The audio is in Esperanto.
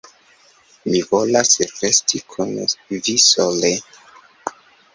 Mi volas resti kun vi sole.